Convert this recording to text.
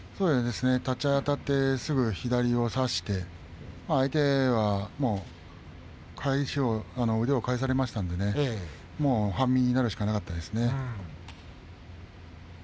立ち合いあたってすぐ左を差して、相手は腕を返されましたんでねもう半身になるしかなかったですね。